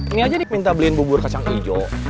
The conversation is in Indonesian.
ini aja nih minta beliin bubur kacang hijau